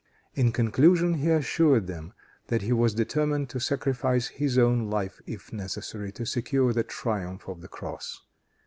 In conclusion, he assured them that he was determined to sacrifice his own life, if necessary, to secure the triumph of the cross.